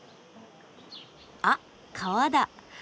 あっ川だ。